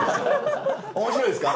面白いですか？